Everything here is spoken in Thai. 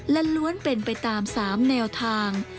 และล้วนเป็นไปตาม๓แนวทาง